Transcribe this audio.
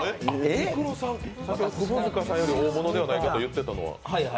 窪塚さんより大物じゃないかと言っていたのは？